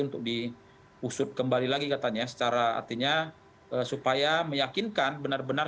untuk diusut kembali lagi katanya secara artinya supaya meyakinkan benar benar